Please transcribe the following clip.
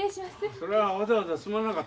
それはわざわざすまなかったね。